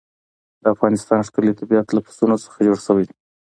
د افغانستان ښکلی طبیعت له پسونو څخه جوړ شوی دی.